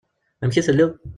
Amek i telliḍ?